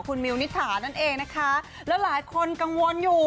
คุณมิวนิถานั่นเองนะคะแล้วหลายคนกังวลอยู่